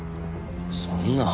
そんな。